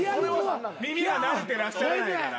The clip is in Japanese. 耳が慣れてらっしゃらないから。